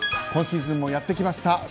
今シーズンもやってきました